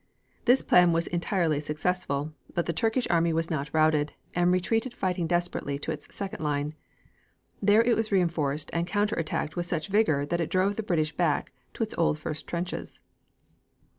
This plan was entirely successful, but the Turkish army was not routed, and retreated fighting desperately to its second line. There it was reinforced and counter attacked with such vigor that it drove the British back to its old first trenches.